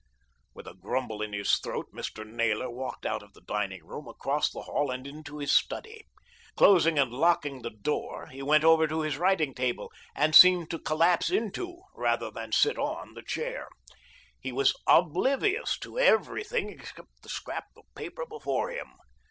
With a grumble in his throat Mr. Naylor walked out of the dining room, across the hall and into his study. Closing and locking the door he went over to his writing table, and seemed to collapse into rather than sit on the chair. He was oblivious to everything except the scrap of paper before him.